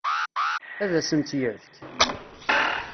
Ad asen-tt-yefk?